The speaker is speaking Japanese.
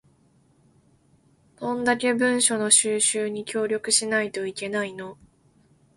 どんだけ文書の収集に協力しないといけないの